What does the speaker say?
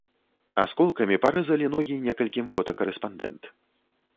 Асколкамі парэзалі ногі некалькім фотакарэспандэнт.